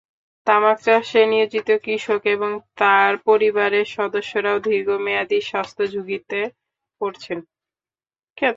তামাক চাষে নিয়োজিত কৃষক এবং তাঁর পরিবারের সদস্যরাও দীর্ঘমেয়াদি স্বাস্থ্যঝুঁকিতে পড়ছেন।